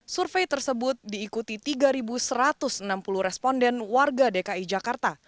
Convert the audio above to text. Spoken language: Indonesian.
survei tersebut diikuti tiga satu ratus enam puluh responden warga dki jakarta